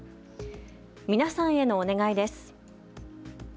皆さんへのお願いです。